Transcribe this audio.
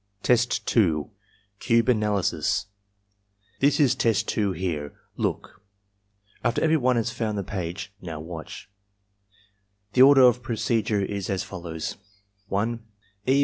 Test 2. — Cube Analysis "This is Test 2 here. Look." After every one has foimd the page — "Now watch." The order of procedm*e is as follows: (1) E.